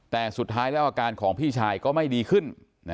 แต่สุดท้ายแล้วอาการของพี่ชายก็ไม่ดีขึ้น